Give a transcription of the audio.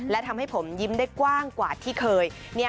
และทำให้ผมยิ้มได้กว้างกว่าที่เคย